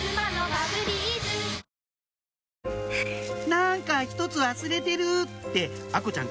「なんか１つ忘れてる」って愛心ちゃん